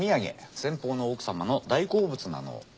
先方の奥様の大好物なの。